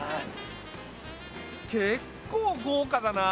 結構豪華だな！